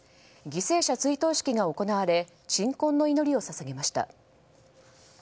犠牲者追悼式が行われ鎮魂の祈りを捧げました。